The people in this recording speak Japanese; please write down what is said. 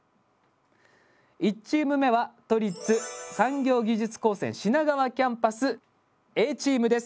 １チーム目は都立産業技術高専品川キャンパスＡチームです。